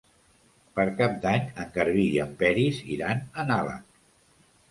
Per Cap d'Any en Garbí i en Peris iran a Nalec.